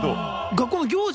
学校の行事は？